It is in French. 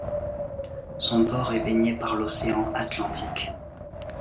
Son port est baigné par l'océan Atlantique.